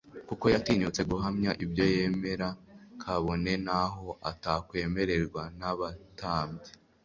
kuko yatinyutse guhamya ibyo yemera kabone naho atakwemerwa n'abatambyi